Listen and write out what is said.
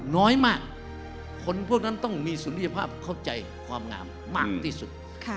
น้อยมากคนพวกนั้นต้องมีสุริยภาพเข้าใจความงามมากที่สุด